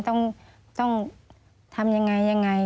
ต้องทำยังไงยังไง